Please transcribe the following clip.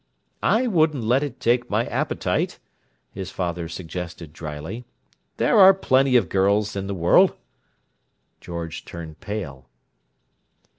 "I wouldn't let it take my appetite," his father suggested drily. "There are plenty of girls in the world!" George turned pale.